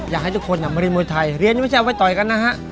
อยากให้ทุกคนมาเรียนมวยไทยเรียนไม่ใช่เอาไว้ต่อยกันนะฮะ